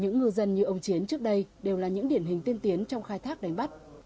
những ngư dân như ông chiến trước đây đều là những điển hình tiên tiến trong khai thác đánh bắt